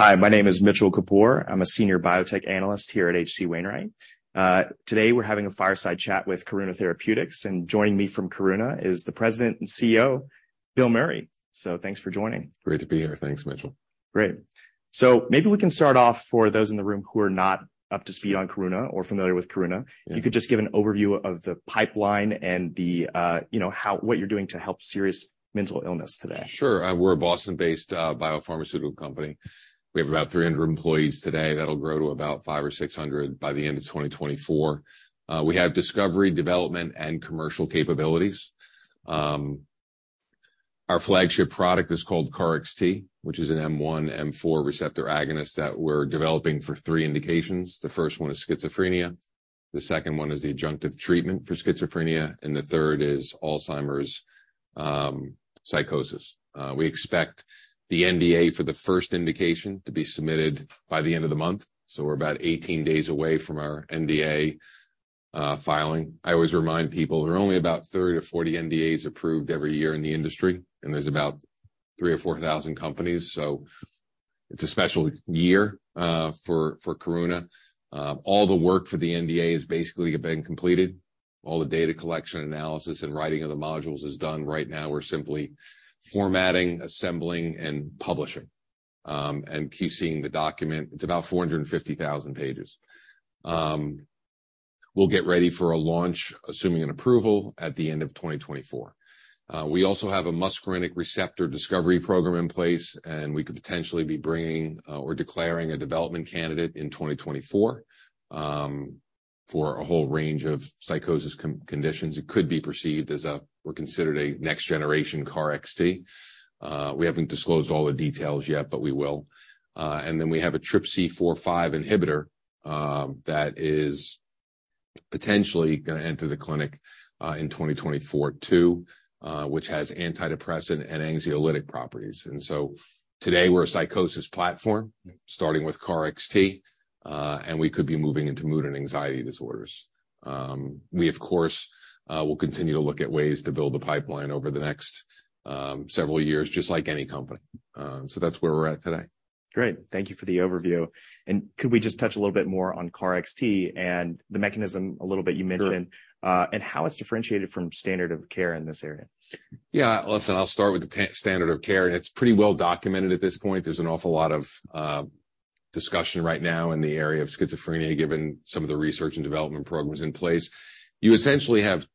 Hi, my name is Mitchell Kapoor. I'm a senior biotech analyst here at H.C. Wainwright. Today, we're having a fireside chat with Karuna Therapeutics, and joining me from Karuna is the President and CEO, Bill Meury. Thanks for joining. Great to be here. Thanks, Mitchell. Great. Maybe we can start off for those in the room who are not up to speed on Karuna or familiar with Karuna. Yeah. If you could just give an overview of the pipeline and the, you know, what you're doing to help serious mental illness today. Sure. We're a Boston-based biopharmaceutical company. We have about 300 employees today. That'll grow to about 500 or 600 by the end of 2024. We have discovery, development, and commercial capabilities. Our flagship product is called KarXT, which is an M1, M4 receptor agonist that we're developing for three indications. The first one is schizophrenia, the second one is the adjunctive treatment for schizophrenia, and the third is Alzheimer's psychosis. We expect the NDA for the first indication to be submitted by the end of the month, so we're about 18 days away from our NDA filing. I always remind people, there are only about 30-40 NDAs approved every year in the industry, and there's about 3,000 or 4,000 companies, so it's a special year for Karuna. All the work for the NDA is basically been completed. All the data collection, analysis, and writing of the modules is done. Right now, we're simply formatting, assembling, and publishing, and QC-ing the document. It's about 450,000 pages. We'll get ready for a launch, assuming an approval, at the end of 2024. We also have a muscarinic receptor discovery program in place, and we could potentially be bringing or declaring a development candidate in 2024 for a whole range of psychosis conditions. It could be perceived as a, or considered a next-generation KarXT. We haven't disclosed all the details yet, but we will. And then we have a TRPC4/5 inhibitor that is potentially gonna enter the clinic in 2024, too, which has antidepressant and anxiolytic properties. And so today, we're a psychosis platform, starting with KarXT, and we could be moving into mood and anxiety disorders. We, of course, will continue to look at ways to build a pipeline over the next several years, just like any company. So that's where we're at today. Great, thank you for the overview. Could we just touch a little bit more on KarXT and the mechanism a little bit you mentioned- Sure. and how it's differentiated from standard of care in this area? Yeah. Listen, I'll start with the standard of care, and it's pretty well documented at this point. There's an awful lot of discussion right now in the area of schizophrenia, given some of the research and development programs in place. You essentially have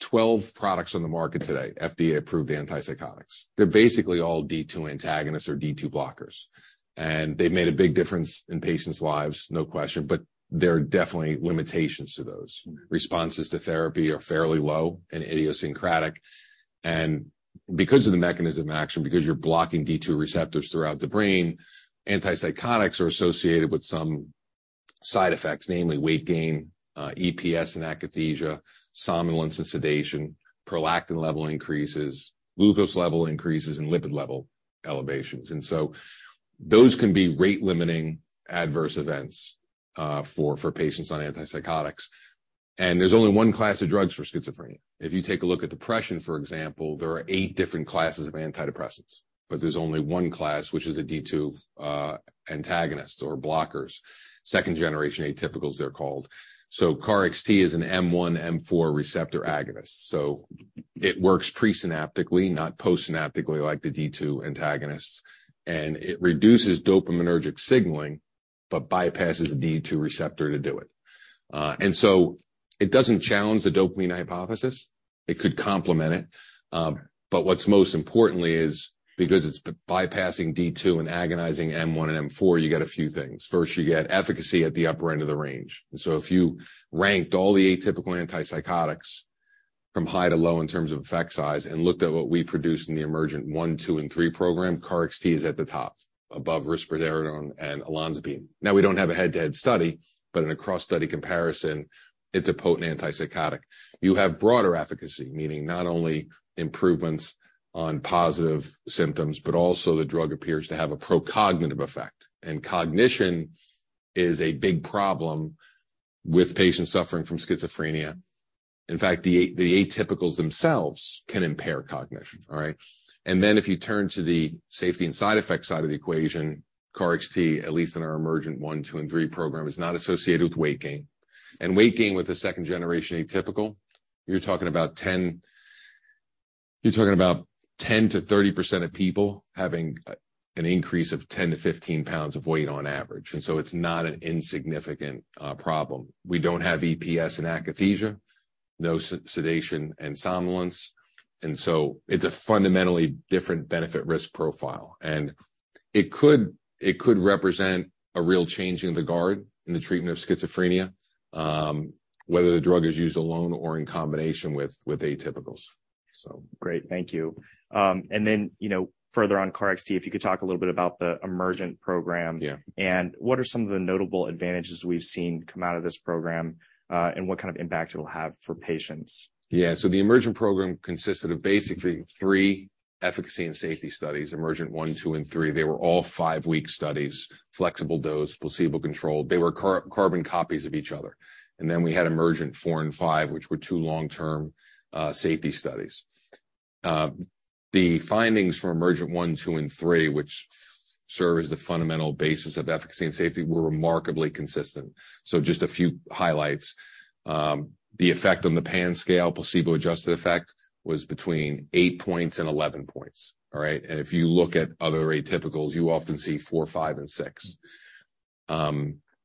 12 products on the market today, FDA-approved antipsychotics. They're basically all D2 antagonists or D2 blockers, and they've made a big difference in patients' lives, no question, but there are definitely limitations to those. Mm-hmm. Responses to therapy are fairly low and idiosyncratic, and because of the mechanism of action, because you're blocking D2 receptors throughout the brain, antipsychotics are associated with some side effects, namely weight gain, EPS and akathisia, somnolence and sedation, prolactin level increases, glucose level increases, and lipid level elevations. And so those can be rate-limiting adverse events, for patients on antipsychotics, and there's only one class of drugs for schizophrenia. If you take a look at depression, for example, there are eight different classes of antidepressants, but there's only one class, which is a D2 antagonist or blockers. Second-generation atypicals, they're called. So KarXT is an M1, M4 receptor agonist, so it works presynaptically, not postsynaptically, like the D2 antagonists, and it reduces dopaminergic signaling, but bypasses the D2 receptor to do it. And so it doesn't challenge the dopamine hypothesis. It could complement it, but what's most importantly is because it's bypassing D2 and agonizing M1 and M4, you get a few things. First, you get efficacy at the upper end of the range, and so if you ranked all the atypical antipsychotics from high to low in terms of effect size and looked at what we produce in the EMERGENT-1, EMERGENT-2, and EMERGENT-3 program, KarXT is at the top, above risperidone and olanzapine. Now, we don't have a head-to-head study, but in a cross-study comparison, it's a potent antipsychotic. You have broader efficacy, meaning not only improvements on positive symptoms, but also the drug appears to have a pro-cognitive effect, and cognition is a big problem with patients suffering from schizophrenia. In fact, the atypicals themselves can impair cognition. All right? And then, if you turn to the safety and side effects side of the equation, KarXT, at least in our EMERGENT-1, EMERGENT-2, and EMERGENT-3 program, is not associated with weight gain. And weight gain with a second-generation atypical, you're talking about 10... You're talking about 10%-30% of people having an increase of 10-15 pounds of weight on average, and so it's not an insignificant problem. We don't have EPS and akathisia, no sedation and somnolence, and so it's a fundamentally different benefit-risk profile, and it could, it could represent a real changing of the guard in the treatment of schizophrenia, whether the drug is used alone or in combination with atypicals so- Great, thank you. And then, you know, further on KarXT, if you could talk a little bit about the EMERGENT program. Yeah. and what are some of the notable advantages we've seen come out of this program, and what kind of impact it'll have for patients? Yeah, so the EMERGENT program consisted of basically 3 efficacy and safety studies: EMERGENT-1, EMERGENT-2, and EMERGENT-3. They were all 5-week studies, flexible dose, placebo-controlled. They were carbon copies of each other. And then we had EMERGENT-4 and EMERGENT-5, which were 2 long-term safety studies. The findings from EMERGENT-1, EMERGENT-2, and EMERGENT-3, which serve as the fundamental basis of efficacy and safety, were remarkably consistent. So just a few highlights. The effect on the PANSS scale, placebo-adjusted effect, was between 8 points and 11 points, all right? And if you look at other atypicals, you often see 4, 5, and 6.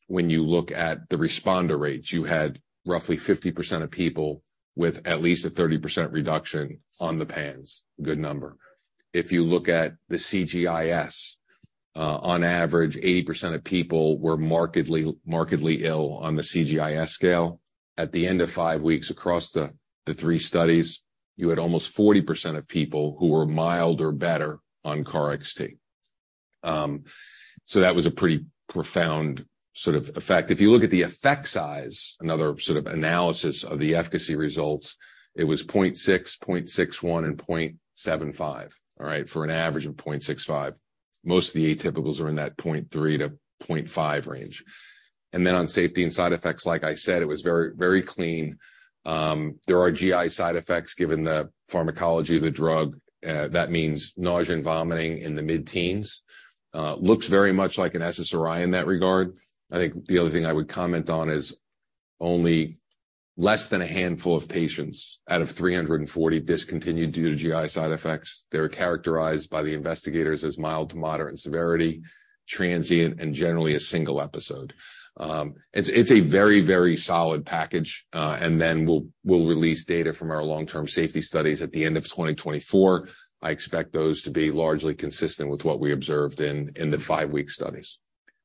When you look at the responder rates, you had roughly 50% of people with at least a 30% reduction on the PANSS. Good number. If you look at the CGI-S, on average, 80% of people were markedly, markedly ill on the CGI-S scale. At the end of five weeks across the three studies, you had almost 40% of people who were mild or better on KarXT. So that was a pretty profound sort of effect. If you look at the effect size, another sort of analysis of the efficacy results, it was 0.6, 0.61, and 0.75, all right, for an average of 0.65. Most of the atypicals are in that 0.3-0.5 range. Then on safety and side effects, like I said, it was very, very clean. There are GI side effects given the pharmacology of the drug, that means nausea and vomiting in the mid-teens. Looks very much like an SSRI in that regard. I think the other thing I would comment on is only less than a handful of patients out of 340 discontinued due to GI side effects. They're characterized by the investigators as mild to moderate severity, transient, and generally a single episode. It's a very, very solid package, and then we'll release data from our long-term safety studies at the end of 2024. I expect those to be largely consistent with what we observed in the five-week studies.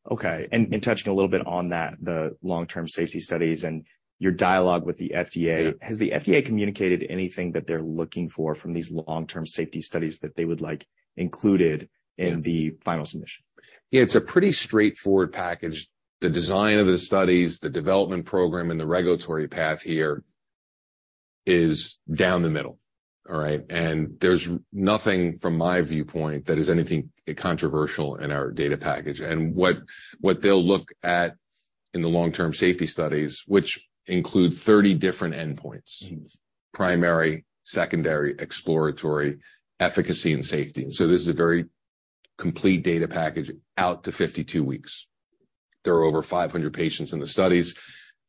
Okay. And touching a little bit on that, the long-term safety studies and your dialogue with the FDA- Yeah. Has the FDA communicated anything that they're looking for from these long-term safety studies that they would like included? Yeah in the final submission? Yeah, it's a pretty straightforward package. The design of the studies, the development program, and the regulatory path here is down the middle. All right? And there's nothing, from my viewpoint, that is anything controversial in our data package. And what they'll look at in the long-term safety studies, which include 30 different endpoints. Mm-hmm. Primary, secondary, exploratory, efficacy, and safety. So this is a very complete data package out to 52 weeks. There are over 500 patients in the studies.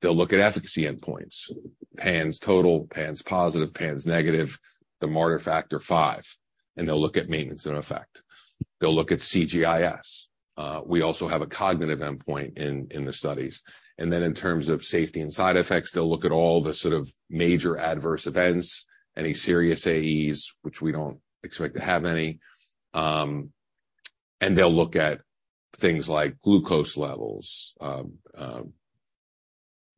They'll look at efficacy endpoints, PANSS total, PANSS positive, PANSS negative, the Marder Factor 5, and they'll look at maintenance, in effect. They'll look at CGI-S. We also have a cognitive endpoint in the studies, and then in terms of safety and side effects, they'll look at all the sort of major adverse events, any serious AEs, which we don't expect to have any. And they'll look at things like glucose levels,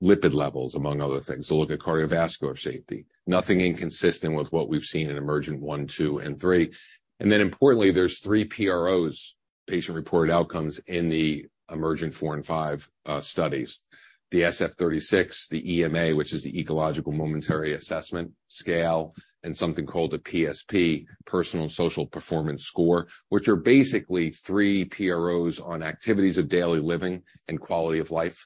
lipid levels, among other things. They'll look at cardiovascular safety. Nothing inconsistent with what we've seen in EMERGENT-1, EMERGENT-2, and EMERGENT-3. And then importantly, there's 3 PROs, patient-reported outcomes, in the EMERGENT-4 and EMERGENT-5 studies. The SF-36, the EMA, which is the Ecological Momentary Assessment scale, and something called the PSP, Personal and Social Performance score, which are basically three PROs on activities of daily living and quality of life,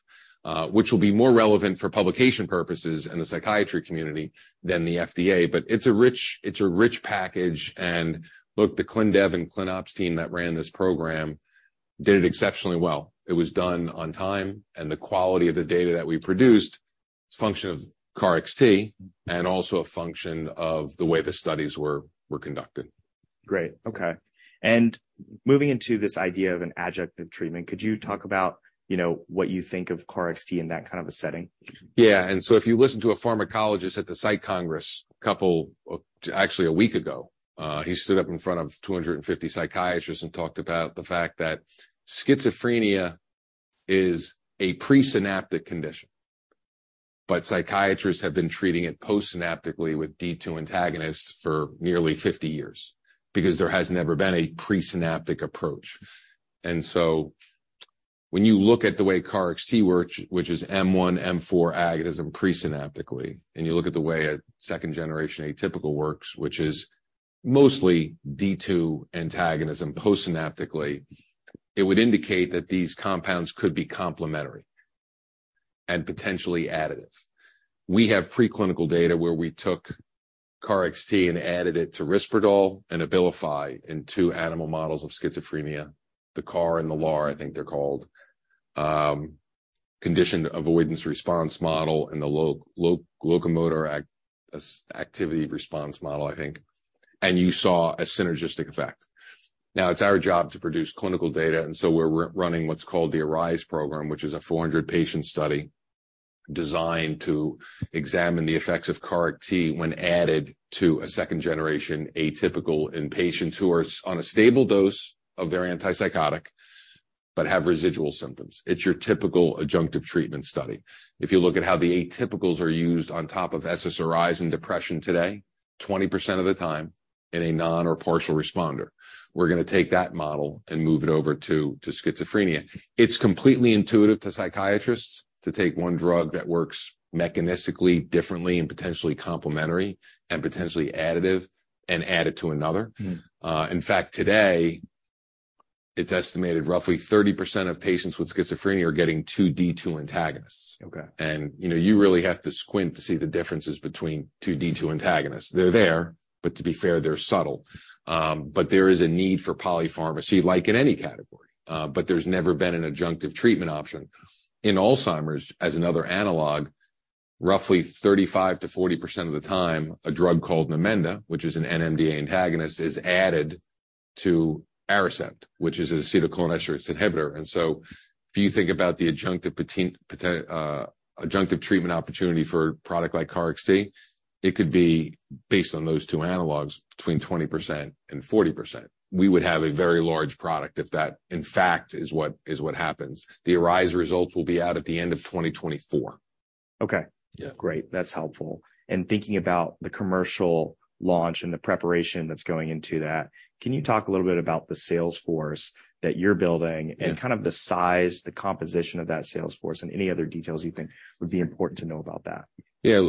which will be more relevant for publication purposes and the psychiatry community than the FDA. But it's a rich, it's a rich package. And look, the Clin Dev and Clin Ops team that ran this program did it exceptionally well. It was done on time, and the quality of the data that we produced is a function of KarXT and also a function of the way the studies were conducted. Great, okay. Moving into this idea of an adjunctive treatment, could you talk about, you know, what you think of KarXT in that kind of a setting? Yeah, and so if you listen to a pharmacologist at the Psych Congress, a couple, actually, a week ago, he stood up in front of 250 psychiatrists and talked about the fact that schizophrenia is a presynaptic condition. But psychiatrists have been treating it postsynaptically with D2 antagonists for nearly 50 years because there has never been a presynaptic approach. And so when you look at the way KarXT works, which is M1, M4 agonism presynaptically, and you look at the way a second-generation atypical works, which is mostly D2 antagonism postsynaptically, it would indicate that these compounds could be complementary and potentially additive. We have preclinical data where we took KarXT and added it to risperidone and Abilify in two animal models of schizophrenia. The CAR and the LAR, I think they're called, conditioned avoidance response model and the locomotor activity response model, I think. And you saw a synergistic effect. Now, it's our job to produce clinical data, and so we're running what's called the ARISE program, which is a 400-patient study designed to examine the effects of KarXT when added to a second-generation atypical in patients who are on a stable dose of their antipsychotic but have residual symptoms. It's your typical adjunctive treatment study. If you look at how the atypicals are used on top of SSRIs in depression today, 20% of the time in a non- or partial responder. We're going to take that model and move it over to schizophrenia. It's completely intuitive to psychiatrists to take one drug that works mechanistically, differently, and potentially complementary, and potentially additive, and add it to another. Mm-hmm. It's estimated roughly 30% of patients with schizophrenia are getting two D2 antagonists. Okay. You know, you really have to squint to see the differences between two D2 antagonists. They're there, but to be fair, they're subtle. But there is a need for polypharmacy, like in any category, but there's never been an adjunctive treatment option. In Alzheimer's, as another analog, roughly 35%-40% of the time, a drug called Namenda, which is an NMDA antagonist, is added to Aricept, which is an acetylcholinesterase inhibitor. And so if you think about the adjunctive treatment opportunity for a product like KarXT, it could be based on those two analogs between 20% and 40%. We would have a very large product if that, in fact, is what happens. The ARISE results will be out at the end of 2024. Okay. Yeah. Great. That's helpful. And thinking about the commercial launch and the preparation that's going into that, can you talk a little bit about the sales force that you're building- Yeah... and kind of the size, the composition of that sales force, and any other details you think would be important to know about that? Yeah.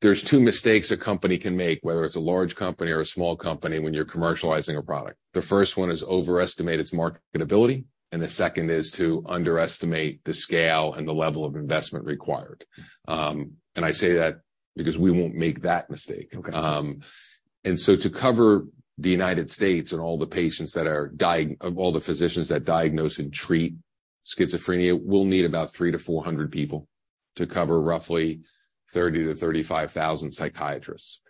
There's two mistakes a company can make, whether it's a large company or a small company, when you're commercializing a product. The first one is overestimate its marketability, and the second is to underestimate the scale and the level of investment required. I say that because we won't make that mistake. Okay. So to cover the United States and all the patients that are of all the physicians that diagnose and treat schizophrenia, we'll need about 300-400 people to cover roughly 30,000-35,000 psychiatrists.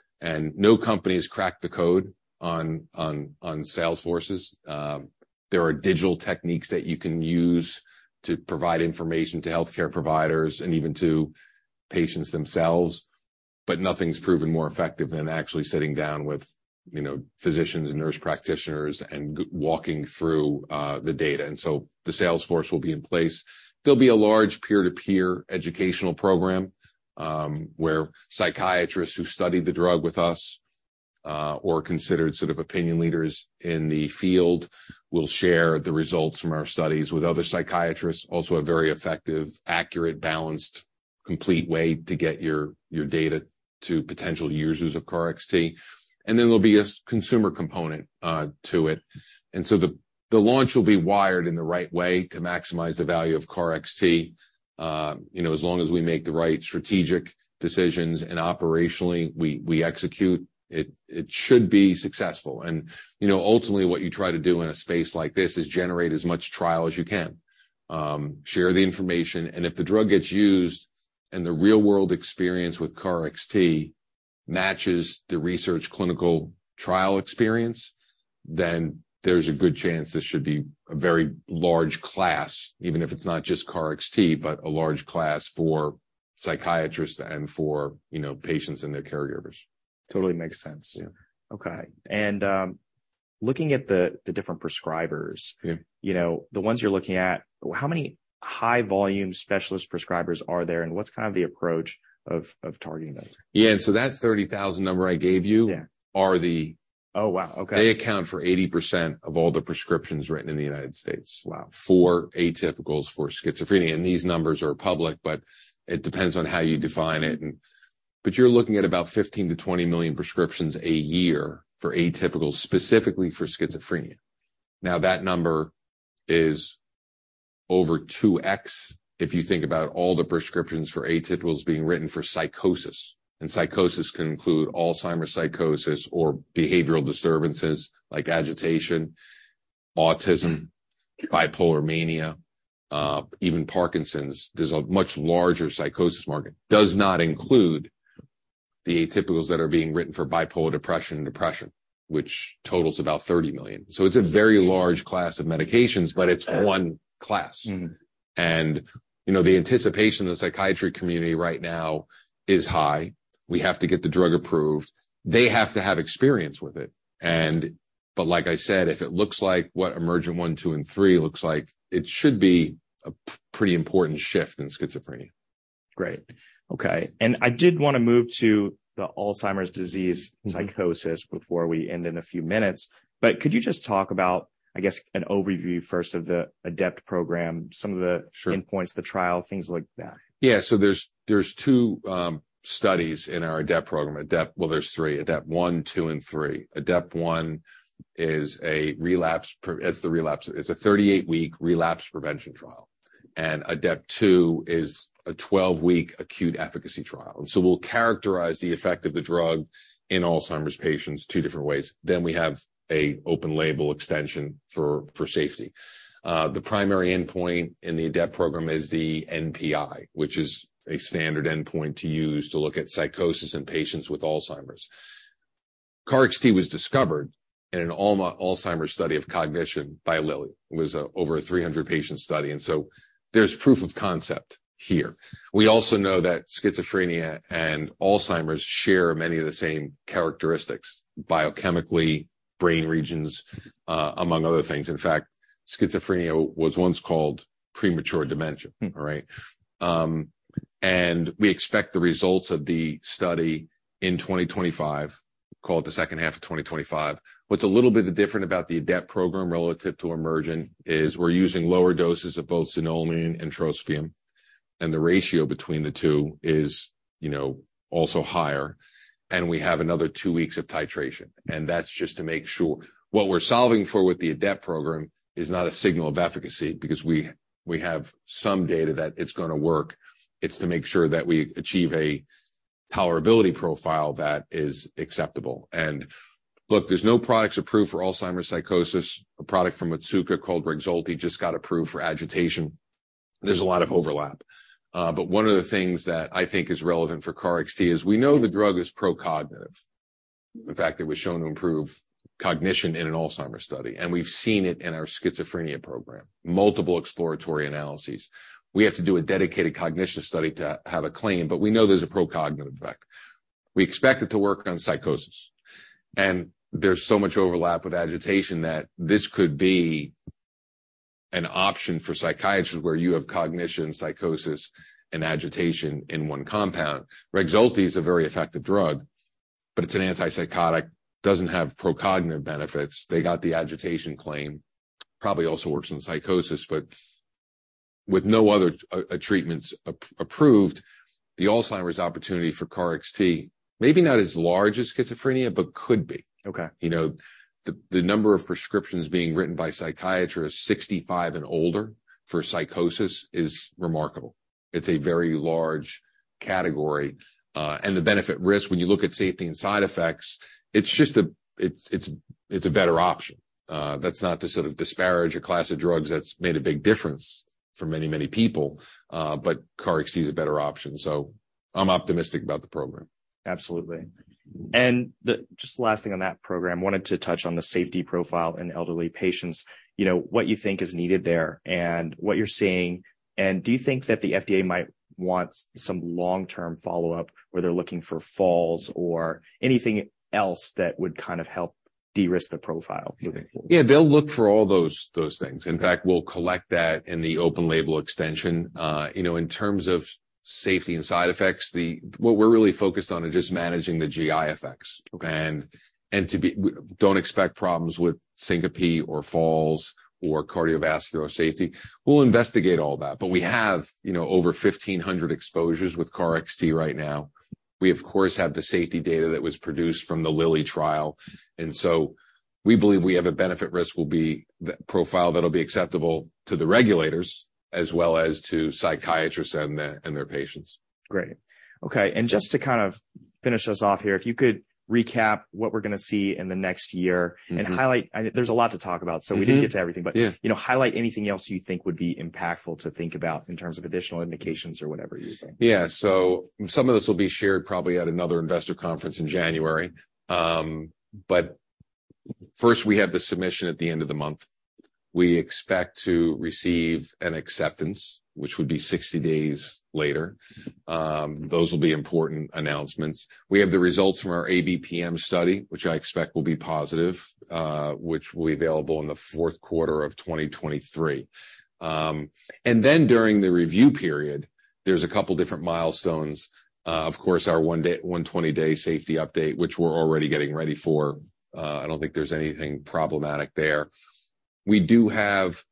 No company has cracked the code on sales forces. There are digital techniques that you can use to provide information to healthcare providers and even to patients themselves, but nothing's proven more effective than actually sitting down with, you know, physicians and nurse practitioners and walking through the data. So the sales force will be in place. There'll be a large peer-to-peer educational program, where psychiatrists who studied the drug with us or considered sort of opinion leaders in the field, will share the results from our studies with other psychiatrists. Also a very effective, accurate, balanced, complete way to get your, your data to potential users of KarXT, and then there'll be a consumer component to it. And so the, the launch will be wired in the right way to maximize the value of KarXT. You know, as long as we make the right strategic decisions, and operationally, we, we execute it, it should be successful. And, you know, ultimately, what you try to do in a space like this is generate as much trial as you can. Share the information, and if the drug gets used, and the real-world experience with KarXT matches the research clinical trial experience, then there's a good chance this should be a very large class, even if it's not just KarXT, but a large class for psychiatrists and for, you know, patients and their caregivers. Totally makes sense. Yeah. Okay, and looking at the different prescribers- Yeah... you know, the ones you're looking at, how many high-volume specialist prescribers are there, and what's kind of the approach of targeting them? Yeah, so that 30,000 number I gave you- Yeah... are the- Oh, wow. Okay. They account for 80% of all the prescriptions written in the United States- Wow!... for atypicals, for schizophrenia. And these numbers are public, but it depends on how you define it and, but you're looking at about 15-20 million prescriptions a year for atypicals, specifically for schizophrenia. Now, that number is over 2x if you think about all the prescriptions for atypicals being written for psychosis, and psychosis can include Alzheimer's, psychosis, or behavioral disturbances like agitation, autism, bipolar mania, even Parkinson's. There's a much larger psychosis market. Does not include the atypicals that are being written for bipolar depression and depression, which totals about 30 million. So it's a very large class of medications- Yeah... but it's one class. Mm-hmm. You know, the anticipation in the psychiatry community right now is high. We have to get the drug approved. They have to have experience with it, and... But like I said, if it looks like what EMERGENT-1, EMERGENT-2, and EMERGENT-3 looks like, it should be a pretty important shift in schizophrenia. Great. Okay, and I did want to move to the Alzheimer's disease psychosis- Mm-hmm... before we end in a few minutes. But could you just talk about, I guess, an overview first of the ADEPT program, some of the- Sure... endpoints, the trial, things like that? Yeah, so there's two studies in our ADEPT program. ADEPT, well, there's three: ADEPT-1, 2, and 3. ADEPT-1 is a relapse—it's the relapse. It's a 38-week relapse prevention trial, and ADEPT-2 is a 12-week acute efficacy trial. And so we'll characterize the effect of the drug in Alzheimer's patients two different ways. Then we have an open-label extension for safety. The primary endpoint in the ADEPT program is the NPI, which is a standard endpoint to use to look at psychosis in patients with Alzheimer's. KarXT was discovered in an Alzheimer's study of cognition by Lilly. It was an over 300-patient study, and so there's proof of concept here. We also know that schizophrenia and Alzheimer's share many of the same characteristics, biochemically, brain regions, among other things. In fact, schizophrenia was once called premature dementia. Mm. All right? And we expect the results of the study in 2025... call it the second half of 2025. What's a little bit different about the ADEPT program relative to EMERGENT is we're using lower doses of both xanomeline and trospium, and the ratio between the two is, you know, also higher, and we have another two weeks of titration, and that's just to make sure. What we're solving for with the ADEPT program is not a signal of efficacy, because we, we have some data that it's gonna work. It's to make sure that we achieve a tolerability profile that is acceptable. And look, there's no products approved for Alzheimer's psychosis. A product from Otsuka called Rexulti just got approved for agitation. There's a lot of overlap. But one of the things that I think is relevant for KarXT is we know the drug is pro-cognitive. In fact, it was shown to improve cognition in an Alzheimer's study, and we've seen it in our schizophrenia program, multiple exploratory analyses. We have to do a dedicated cognition study to have a claim, but we know there's a pro-cognitive effect. We expect it to work on psychosis, and there's so much overlap with agitation that this could be an option for psychiatrists where you have cognition, psychosis, and agitation in one compound. Rexulti is a very effective drug, but it's an antipsychotic, doesn't have pro-cognitive benefits. They got the agitation claim, probably also works in psychosis, but with no other treatments approved, the Alzheimer's opportunity for KarXT may be not as large as schizophrenia, but could be. Okay. You know, the number of prescriptions being written by psychiatrists 65 and older for psychosis is remarkable. It's a very large category. And the benefit risk, when you look at safety and side effects, it's just a better option. That's not to sort of disparage a class of drugs that's made a big difference for many, many people, but KarXT is a better option, so I'm optimistic about the program. Absolutely. And just the last thing on that program, wanted to touch on the safety profile in elderly patients. You know, what you think is needed there and what you're seeing, and do you think that the FDA might want some long-term follow-up, where they're looking for falls or anything else that would kind of help de-risk the profile moving forward? Yeah, they'll look for all those, those things. In fact, we'll collect that in the open label extension. You know, in terms of safety and side effects, what we're really focused on is just managing the GI effects. Okay. We don't expect problems with syncope or falls or cardiovascular safety. We'll investigate all that, but we have, you know, over 1,500 exposures with KarXT right now. We, of course, have the safety data that was produced from the Lilly trial, and so we believe we have a benefit risk will be the profile that'll be acceptable to the regulators, as well as to psychiatrists and their patients. Great. Okay, and just to kind of finish us off here, if you could recap what we're gonna see in the next year- Mm-hmm. and highlight... There's a lot to talk about. Mm-hmm. So we didn't get to everything. Yeah. But, you know, highlight anything else you think would be impactful to think about in terms of additional indications or whatever you think. Yeah. So some of this will be shared probably at another investor conference in January. But first, we have the submission at the end of the month. We expect to receive an acceptance, which would be 60 days later. Those will be important announcements. We have the results from our ABPM study, which I expect will be positive, which will be available in the fourth quarter of 2023. And then, during the review period, there's a couple different milestones. Of course, our 1-day, 120-day safety update, which we're already getting ready for. I don't think there's anything problematic there. We do have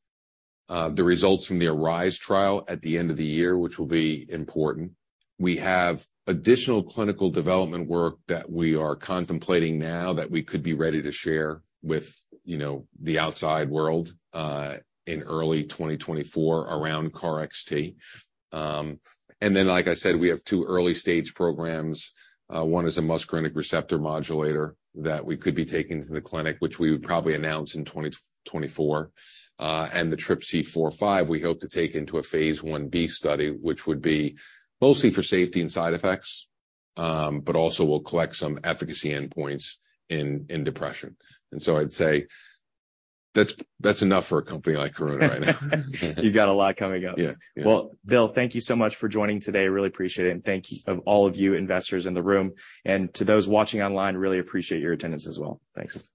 the results from the ARISE trial at the end of the year, which will be important. We have additional clinical development work that we are contemplating now that we could be ready to share with, you know, the outside world, in early 2024 around KarXT. And then, like I said, we have two early-stage programs. One is a muscarinic receptor modulator that we could be taking to the clinic, which we would probably announce in 2024. And the TRPC4/5, we hope to take into a phase I B study, which would be mostly for safety and side effects, but also we'll collect some efficacy endpoints in depression. And so I'd say that's, that's enough for a company like Karuna right now. You got a lot coming up. Yeah. Yeah. Well, Bill, thank you so much for joining today. Really appreciate it, and thanks to all of you investors in the room, and to those watching online, really appreciate your attendance as well. Thanks.